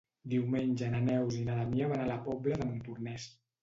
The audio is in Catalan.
Diumenge na Neus i na Damià van a la Pobla de Montornès.